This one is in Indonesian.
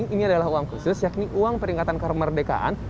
ini adalah uang khusus yakni uang peringatan kemerdekaan